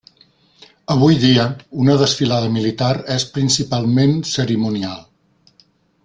Avui dia una desfilada militar és principalment cerimonial.